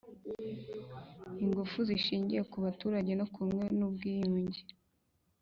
lngufu zishingiye ku baturage no ku bumwe n'ubwiyunge.